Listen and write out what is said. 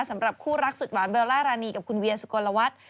สำหรับคู่รักสุดหวานเบลล่ารานีกับคุณเวียสุโกลวัฒน์